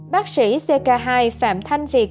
bác sĩ ck hai phạm thanh việt cho biết